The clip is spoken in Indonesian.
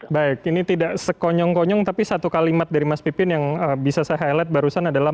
baik ini tidak sekonyong konyong tapi satu kalimat dari mas pipin yang bisa saya highlight barusan adalah